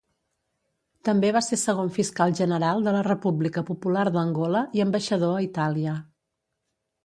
També va ser segon fiscal general de la República Popular d'Angola i ambaixador a Itàlia.